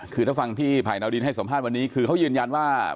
คือถ้าฟังที่ภัยดาวดินให้สัมภาษณ์วันนี้คือเขายืนยันว่า